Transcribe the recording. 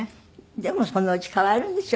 でもそのうち変わるでしょ？